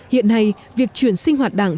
hiện nay việc chuyển sinh hoạt đảng